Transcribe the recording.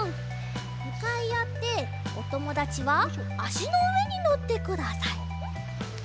むかいあっておともだちはあしのうえにのってください。